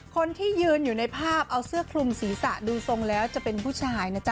คนที่ยืนอยู่ในภาพเอาเสื้อคลุมศีรษะดูทรงแล้วจะเป็นผู้ชายนะจ๊